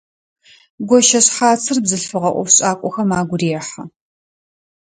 Гощэшъхьацыр бзылъфыгъэ ӏофшӏакӏохэм агу рехьы.